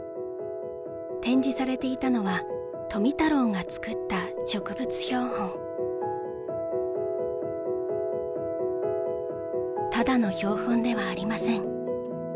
展示されていたのは富太郎が作った植物標本ただの標本ではありません。